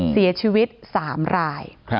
เสียชีวิต๓ราย